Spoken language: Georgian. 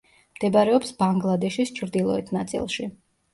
მდებარეობს ბანგლადეშის ჩრდილოეთ ნაწილში.